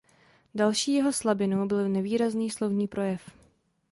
Další jeho slabinou byl nevýrazný slovní projev.